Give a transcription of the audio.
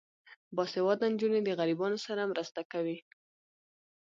باسواده نجونې د غریبانو سره مرسته کوي.